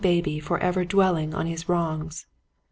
73 baby forever dwelling on his wrongs.